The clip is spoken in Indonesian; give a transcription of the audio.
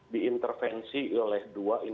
diintervensi oleh dua